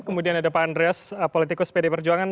kemudian ada pak andreas politikus pd perjuangan